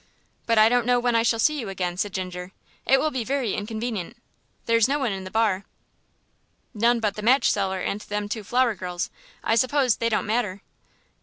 "But I don't know when I shall see you again," said Ginger. "It will be very inconvenient. There's no one in the bar." "None but the match seller and them two flower girls. I suppose they don't matter?"